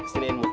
sini mut put